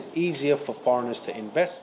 trong cái việc phục vụ cho sản xuất và xuất nhập khẩu